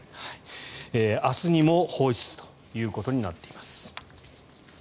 明日にも放出ということになっています。